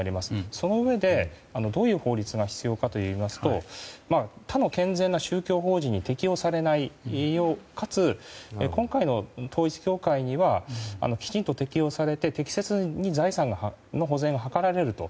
そのうえで、どういう法律が必要かといいますと他の健全な宗教法人に適用されない、かつ今回の統一教会にはきちんと適用されて適切に財産の保全が図られると。